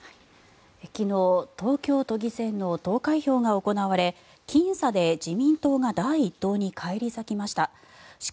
昨日、東京都議選の投開票が行われきん差で自民党が第１党に返り咲きました。